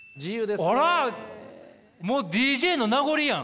もうＤＪの名残やん！